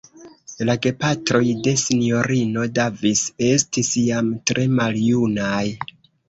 La gepatroj de Sinjorino Davis estis jam tre maljunaj.